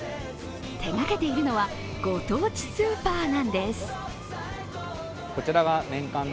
手がけているのは、ご当地スーパーなんです。